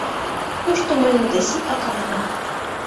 Тушто мыйын Ведаси акам уло.